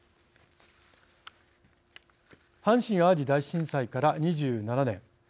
阪神・淡路大震災から２７年。